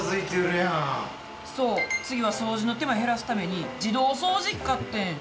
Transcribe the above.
そう、次は掃除の手間減らすために、自動掃除機買ってん。